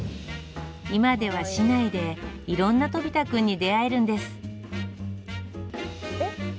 今では市内でいろんなとび太くんに出会えるんですえ？